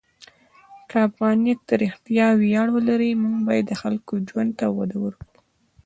که افغانیت رښتیا ویاړ ولري، موږ باید د خلکو ژوند ته وده ورکړو.